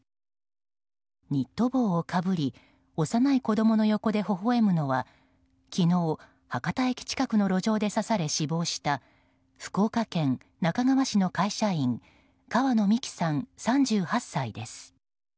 ニット帽をかぶり幼い子供の横でほほ笑むのは昨日、博多駅近くの路上で刺され死亡した福岡県那珂川市の会社員川野美樹さん、３８歳です。